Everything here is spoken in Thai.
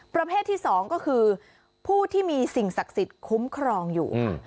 ประเภทที่๒ก็คือผู้ที่มีสิ่งศักดิ์สิทธิ์คุ้มครองอยู่